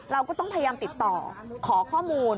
เราก็ต้องพยายามติดต่อขอข้อมูล